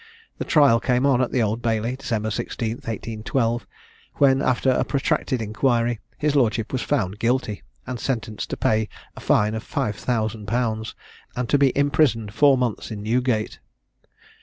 The trial came on at the Old Bailey, December 16th 1812, when, after a protracted inquiry, his lordship was found Guilty, and sentenced to pay a fine of five thousand pounds, and to be imprisoned four months in Newgate.